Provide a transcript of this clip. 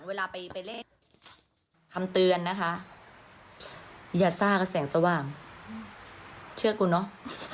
เวลาไปเล่นคำเตือนนะคะอย่าซ่ากับแสงสว่างเชื่อกูเนอะ